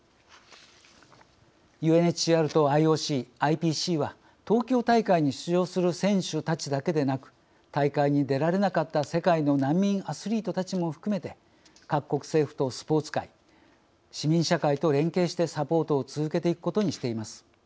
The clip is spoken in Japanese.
ＵＮＨＣＲとＩＯＣＩＰＣは東京大会に出場する選手たちだけでなく大会に出られなかった世界の難民アスリートたちも含めて各国政府とスポーツ界市民社会と連携してサポートを続けていくことにしています。